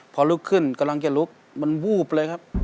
พอลุกขึ้นกำลังจะลุกมันวูบเลยครับ